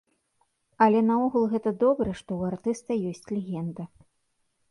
Але наогул, гэта добра, што ў артыста ёсць легенда.